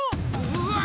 うわ！